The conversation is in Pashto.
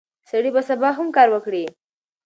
سړی به سبا هم کار وکړي.